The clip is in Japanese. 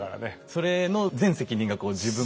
それの全責任が自分